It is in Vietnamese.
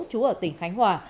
chú ở tỉnh khánh hòa